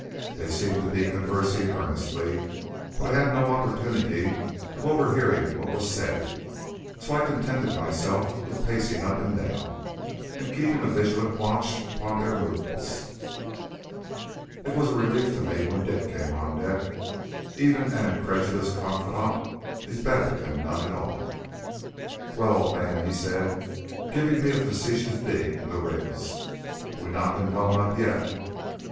They seemed to be conversing earnestly, but I had no opportunity of overhearing what was said; so I contented myself with pacing up and down, and keeping a vigilant watch upon their movements. It was a relief to me when Dick came on deck. Even an incredulous confidant is better than none at all. "Well, old man," he said, giving me a facetious dig in the ribs, "we've not been blown up yet."